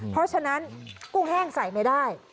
เพราะฉะนั้นกุ้งแห้งใส่ไม่ได้